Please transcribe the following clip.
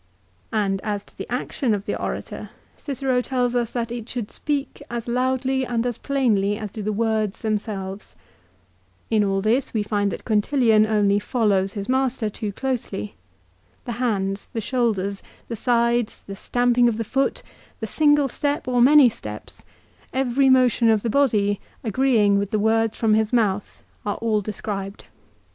And as to the action of the orator Cicero tells us that it should speak as loudly and as plainly as do the words themselves. In all this we find that Quintilian only follows his master too closely. The hands, the shoulders, the sides, the stamping of the foot, the single step or many steps, every motion of the body agreeing with the words from his mouth are all described.